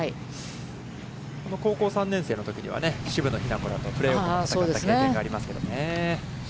高校３年生のときには、渋野日向子らと戦った経験がありますけれどね。